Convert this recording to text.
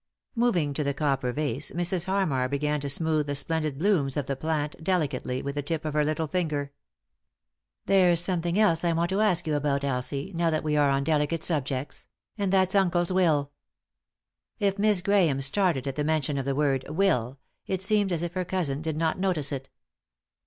Moving to the copper vase, Mrs. Harmar began to smooth the splendid blooms of the plant, delicately, with the tip of her little finger. " There's something else I want to ask you about, Elsie, now that we are on delicate subjects ; and that's uncle's will." If Miss Grahame started at the mention of the word "will," it seemed as if her cousin did not notice it.